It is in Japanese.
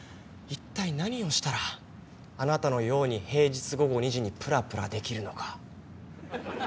一体何をしたらあなたのように平日午後２時にぷらぷらできるのか。